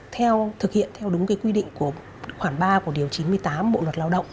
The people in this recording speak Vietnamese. thì thực hiện theo đúng quy định khoảng ba của điều chín mươi tám bộ luật lao động